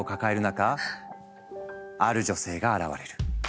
ある女性が現れる。